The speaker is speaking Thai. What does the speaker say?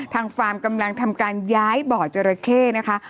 ฟาร์มกำลังทำการย้ายบ่อจราเข้นะคะ